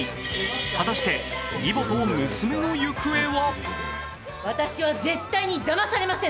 果たして、義母と娘の行方は？